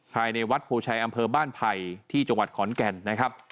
ภายในวัดโพชัยอำเภอบ้านไผ่ที่จังหวัดขอนแก่นนะครับ